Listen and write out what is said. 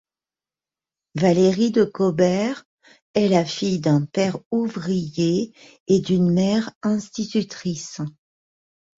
Valérie Decobert est la fille d'un père ouvrier et d'une mère institutrice.